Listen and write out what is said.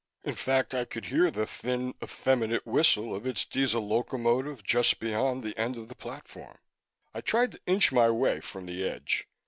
In fact, I could hear the thin, effeminate whistle of its Diesel locomotive just beyond the end of the platform. I tried to inch my way from the edge.